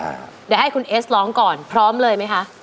เดี๋ยวให้คุณเอสร้องก่อนพร้อมเลยไหมคะ